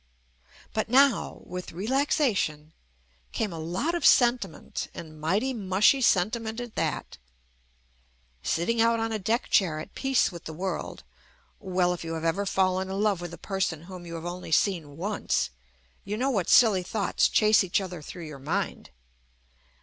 But now, with relaxation, came a lot of senti ment and mighty mushy sentiment at that. Sitting out on a deck chair at peace with the world — well, if you have ever fallen in love with a person whom you have seen only once, you know what silly thoughts chase each other through your mind.